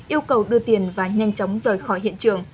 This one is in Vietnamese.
yêu cầu đưa tiền và nhanh chóng rời khỏi hiện trường